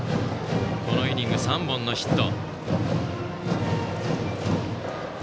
このイニング３本のヒット。